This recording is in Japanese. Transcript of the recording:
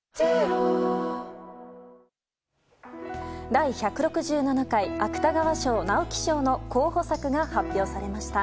第１６７回芥川賞・直木賞の候補作が発表されました。